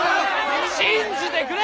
信じてくれ！